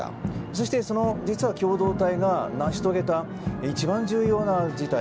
そして実は共同体が成し遂げた一番重要な事態。